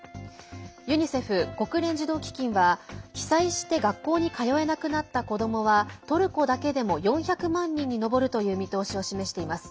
ユニセフ＝国連児童基金は被災して学校に通えなくなった子どもはトルコだけでも４００万人に上るという見通しを示しています。